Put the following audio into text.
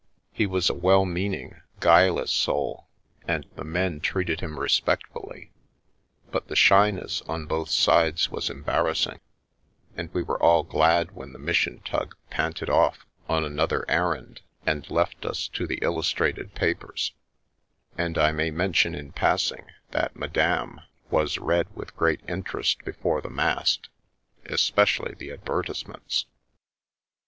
He was a well meaning, guileless soul, and the men treated him respectfully, but the shyness on both sides was embarrassing, and we were all glad when the mission tug panted off on another « The Milky Way errand, and left us to the illustrated papers — and I may mention in passing that Madame was read with great interest before the mast, especially the advertisements.